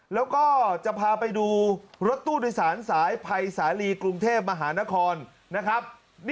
แล้วก็จะพาไปดูรถตู้โดยสารสายภัยสาลีกรุงเทพมหานครนะครับ